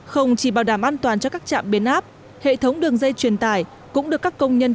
không chỉ bảo đảm an toàn cho các trạm biến áp hệ thống đường dây truyền tải cũng được các công nhân